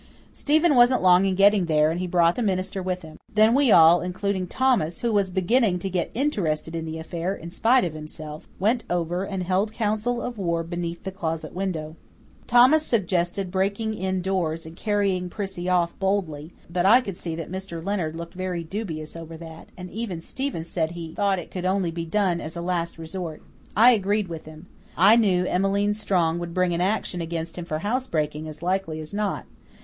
Stephen wasn't long in getting there and he brought the minister with him. Then we all, including Thomas who was beginning to get interested in the affair in spite of himself went over and held council of war beneath the closet window. Thomas suggested breaking in doors and carrying Prissy off boldly, but I could see that Mr. Leonard looked very dubious over that, and even Stephen said he thought it could only be done as a last resort. I agreed with him. I knew Emmeline Strong would bring an action against him for housebreaking as likely as not.